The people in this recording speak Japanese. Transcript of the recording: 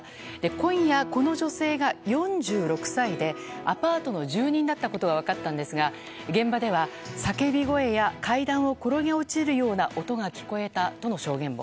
今夜、この女性が４６歳でアパートの住人だったことが分かったんですが現場では、叫び声や階段を転げ落ちるような音が聞こえたとの証言も。